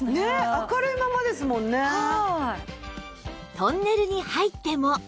トンネルに入っても